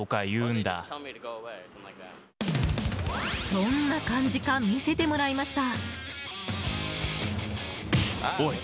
どんな感じか見せてもらいました。